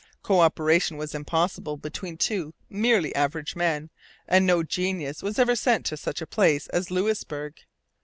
Co operation was impossible between two merely average men; and no genius was ever sent to such a place as Louisbourg.